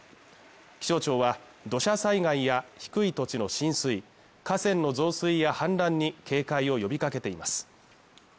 気象庁は土砂災害や低い土地の浸水河川の増水や氾濫に警戒を呼びかけています